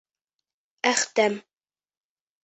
Әхтәм